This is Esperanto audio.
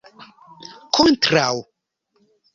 kontraŭ